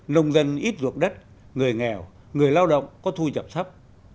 nông dân ít ruộng đất người nghèo người lao động có thu nhập thấp